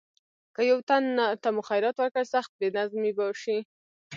که یو تن ته مو خیرات ورکړ سخت بې نظمي به شي.